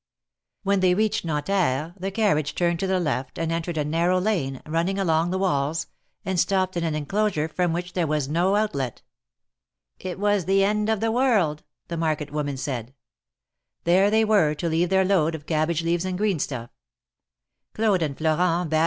When they reached JSTanterre, the carriage turned to the left and entered a narrow lane, running along the walls, and stopped in an enclosure from which there was no outlet. '^It was the end of the world," the market woman said. There they were to leave their load of cabbage leaves and green stuff. Claude and Florent bade THE MARKETS OF PARIS.